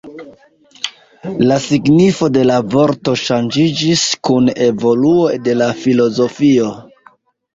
La signifo de la vorto ŝanĝiĝis kun evoluo de la filozofio.